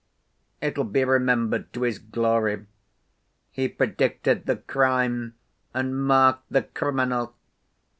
It'll be remembered to his glory: 'He predicted the crime and marked the criminal!